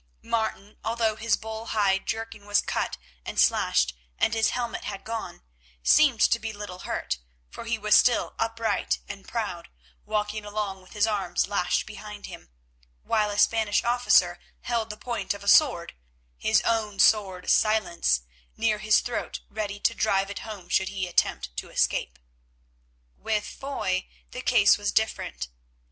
Martin, although his bull hide jerkin was cut and slashed and his helmet had gone, seemed to be little hurt, for he was still upright and proud, walking along with his arms lashed behind him, while a Spanish officer held the point of a sword, his own sword Silence, near his throat ready to drive it home should he attempt to escape. With Foy the case was different.